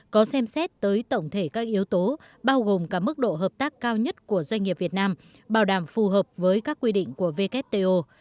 có xem xét tới tổng thể các yếu tố bao gồm cả mức độ hợp tác cao nhất của doanh nghiệp việt nam bảo đảm phù hợp với các quy định của wto